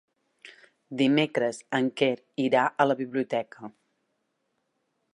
Dimecres en Quer irà a la biblioteca.